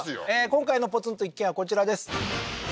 今回のポツンと一軒家はこちらです